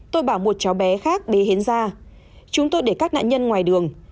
tôi bảo một cháu bé khác bế hiến ra chúng tôi để các nạn nhân ngoài đường